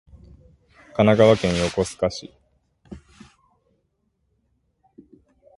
神奈川県横須賀市